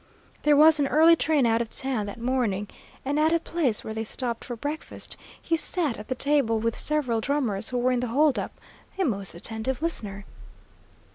There was an early train out of town that morning, and at a place where they stopped for breakfast he sat at the table with several drummers who were in the hold up, a most attentive listener.